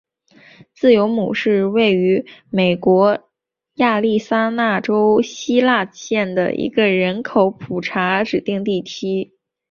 自由亩是位于美国亚利桑那州希拉县的一个人口普查指定地区。